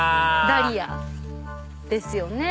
ダリアですよね。